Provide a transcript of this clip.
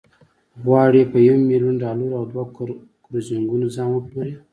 غواړي په یو میلیون ډالرو او دوه کروزینګونو ځان وپلوري.